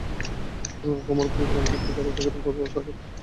কোমরপোল গ্রামের একটি বাড়ি থেকে রোববার রাতে তাঁদের গ্রেপ্তার করা হয়।